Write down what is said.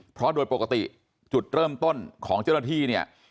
เพราะโดยปกติจุดเริ่มต้นของเจ้าหน้าที่เนี่ย